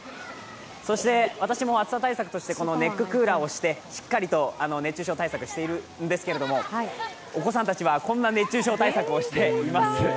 そして私も暑さ対策としてこのネッククーラーをして、しっかりと熱中症対策をしているんですけれども、お子さんたちは、こんな熱中症対策をしています。